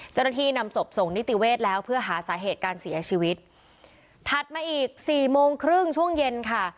เจ้าหน้าที่นำศพส่งนิติเวศแล้วเพื่อหาสาเหตุการเสียชีวิตถัดมาอีกสี่โมงครึ่งช่วงเย็นค่ะ